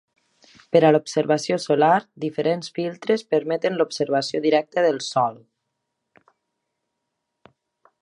Per a l'observació solar, diferents filtres permeten l'observació directa del sol.